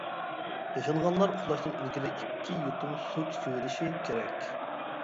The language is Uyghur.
ياشانغانلار ئۇخلاشتىن ئىلگىرى ئىككى يۇتۇم سۇ ئىچىۋېلىشى كېرەك.